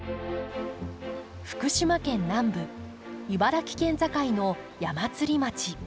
福島県南部茨城県境の矢祭町。